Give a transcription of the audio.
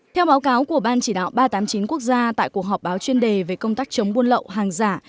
theo báo cáo của ban chỉ đạo ba trăm tám mươi chín quốc gia tại cuộc họp báo chuyên đề về công tác chống buôn lậu hàng giả